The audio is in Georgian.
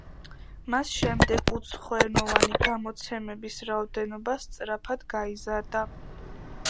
მას შემდეგ უცხოენოვანი გამოცემების რაოდენობა სწრაფად გაიზარდა.